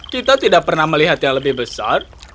kita tidak pernah melihat yang lebih besar